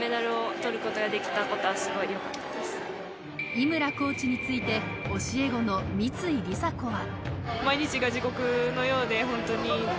井村コーチについて教え子の三井梨紗子は。